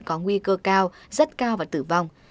có nguy cơ cao rất cao và tử vong